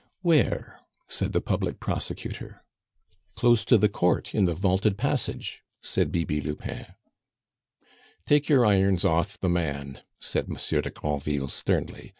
"Where?" said the public prosecutor. "Close to the Court, in the vaulted passage," said Bibi Lupin. "Take your irons off the man," said Monsieur de Granville sternly.